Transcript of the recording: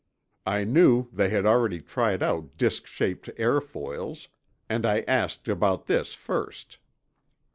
I knew they had already tried out disk shaped airfoils, and I asked about this first.